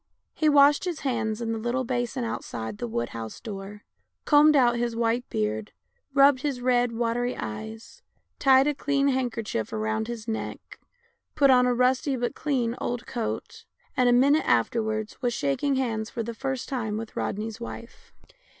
He washed his hands in the little basin outside the wood house door, combed out his white beard, rubbed his red, watery eyes, tied a clean handkerchief round his neck, put on a rusty but clean old coat, and a minute afterwards was shaking hands for the first time with Rodney's wife.